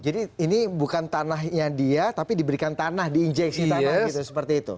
jadi ini bukan tanahnya dia tapi diberikan tanah di injeksi tanah gitu seperti itu